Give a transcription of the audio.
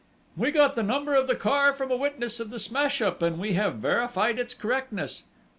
"We got the number of the car from a witness of the smash up; and we have verified its correctness.